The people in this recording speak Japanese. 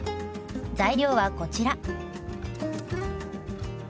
材料はこちら。